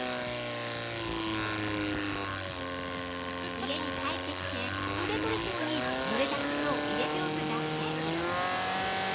◆家に帰ってきて、ムレ取れ荘にぬれた靴を入れておくだけ。